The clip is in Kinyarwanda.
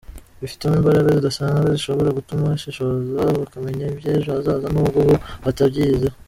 bifitemo imbaraga zidasanzwe zishobora gutuma bashishoza bakamenya iby’ejo hazaza nubwo bo batabyiyiziho.